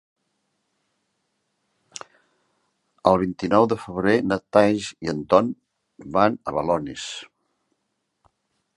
El vint-i-nou de febrer na Thaís i en Ton van a Balones.